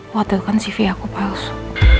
waktu itu kan cv aku palsu